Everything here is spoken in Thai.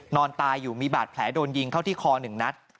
นอนตายอยู่มีบาดแผลโดนยิงเข้าที่คอ๑นัด